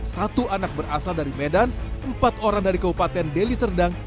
satu anak berasal dari medan empat orang dari kabupaten deli serdang